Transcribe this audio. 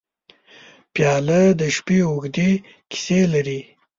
پیاله د شپې اوږدې کیسې لري.